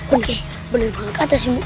oke bener banget kata si bapak